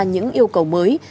những yêu cầu mới